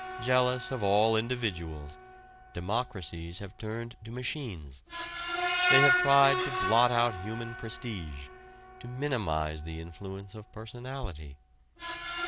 Jealous of all individuals, democracies have turned to machines. They have tried to blot out human prestige, to minimize the influence of personality.